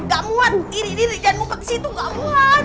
gak muat tiri diri jangan mumpet ke situ gak muat